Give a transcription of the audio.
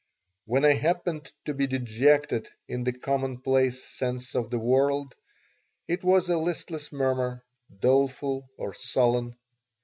When I happened to be dejected in the commonplace sense of the word, it was a listless murmur, doleful or sullen.